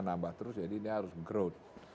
nambah terus jadi dia harus growth